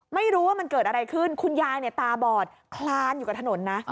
ไม่รู้ว่ามันเกิดอะไรขึ้นคุณยายเนี่ยตาบอดคลานอยู่กับถนนนะ